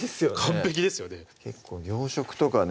結構洋食とかね